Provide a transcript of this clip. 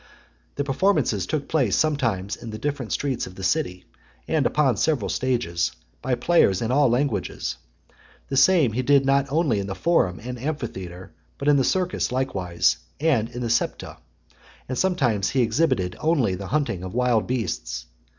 The performances took place sometimes in the different streets of the city, and upon several stages, by players in all languages. The same he did not only in the forum and amphitheatre, but in the circus likewise, and in the septa : and sometimes he exhibited only the hunting of wild beasts.